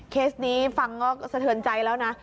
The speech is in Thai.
นี้ฟังก็สะเทือนใจแล้วนะ